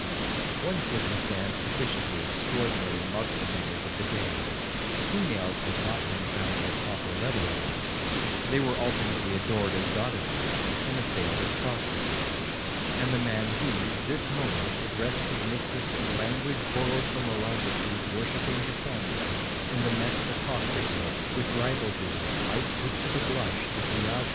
'2 One circumstance sufficiently extraordinary marked the manners of the day; females had not then found their proper level in life; they were alternately adored as goddesses, and assailed as prostitutes; and the man who, this moment, addressed his mistress in language borrowed from Orondates worshipping Cassandra, in the next accosted her with ribaldry that might put to the blush the piazzas of Covent Garden.